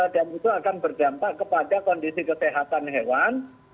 dan itu akan berjantak kepada kondisi kesehatan hewan